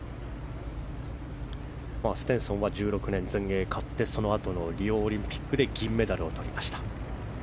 ステンソンは１６年に全英を勝ってリオオリンピックで銀メダルをとりました。